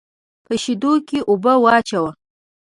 په شېدو کې اوبه واچوه.